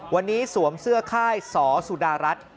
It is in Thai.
วันนี้สวมเสื้อค่ายสอสุดารัฐ